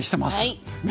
はい。